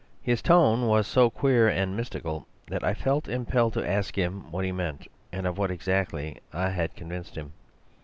"His tone was so queer and mystical that I felt impelled to ask him what he meant, and of what exactly I had convinced him.